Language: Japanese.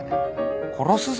殺すぞ。